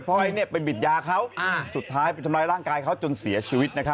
เพราะไอ้เน็ตไปบิดยาเขาสุดท้ายไปทำร้ายร่างกายเขาจนเสียชีวิต